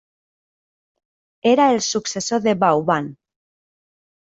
Era el successor de Vauban.